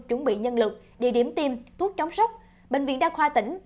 chuẩn bị nhân lực địa điểm tiêm thuốc chống sốc bệnh viện đa khoa tỉnh